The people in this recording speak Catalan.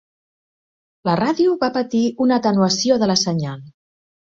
La ràdio va patir una atenuació de la senyal.